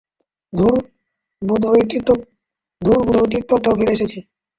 ধুর, বোধহয় টিকেটটাও ফেলে এসেছি।